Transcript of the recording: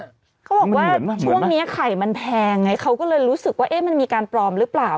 เขาบอกว่าช่วงนี้ไข่มันแพงไงเขาก็เลยรู้สึกว่ามันมีการปลอมหรือเปล่า